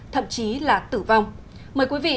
thậm chí là tử vong mời quý vị